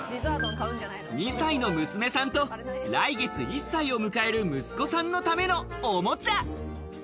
２歳の娘さんと、来月１歳を迎える息子さんのためのおもちゃ。